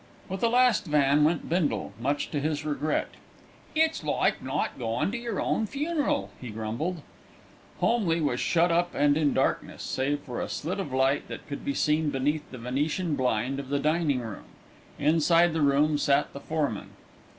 With the last van went Bindle, much to his regret. "It's like not goin' to yer own funeral," he grumbled. Holmleigh was shut up and in darkness, save for a slit of light that could be seen beneath the Venetian blind of the dining room. Inside the room sat the foreman.